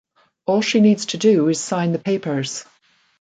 All she needs to do is sign the papers.